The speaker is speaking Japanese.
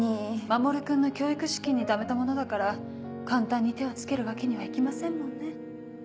守君の教育資金にためたものだから簡単に手を付けるわけにはいきませんもんね。